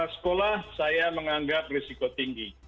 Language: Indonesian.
sekolah saya menganggap risiko tinggi